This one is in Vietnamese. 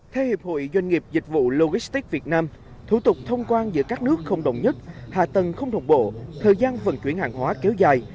theo hiệp hội doanh nghiệp dịch vụ logistics việt nam thủ tục thông quan giữa các nước không đồng nhất hạ tầng không đồng bộ thời gian vận chuyển hàng hóa kéo dài